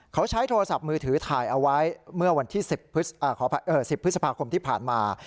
เขาใช้โทรศัพท์มือถือถ่ายเอาไว้เมื่อวันที่๑๐พฤษภาคมที่ผ่านมา